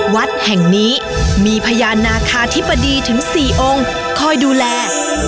วัดแห่งนี้มีพญานาคาธิบดีถึง๔องค์คอยดูแล